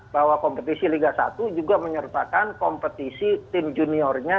bahwa kompetisi liga satu juga menyertakan kompetisi tim juniornya